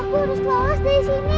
aku harus lepas dari sini